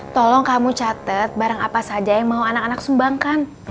tolong kamu catet barang apa saja yang mau anak anak sumbangkan